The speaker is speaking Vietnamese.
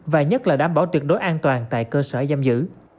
và nhất là đảm bảo tuyệt đối an toàn tại cơ sở giam giữ